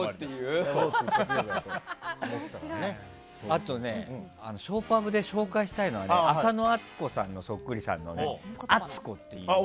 あとねショーパブで紹介したのは浅野温子さんのそっくりさんのＡＴＳＵＫＯっていう方。